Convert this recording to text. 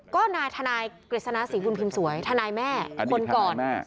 ก็นายทนายกฤษณะศรีบุญพิมพ์สวยทนายแม่คนก่อน